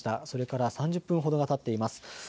それから３０分ほどがたっています。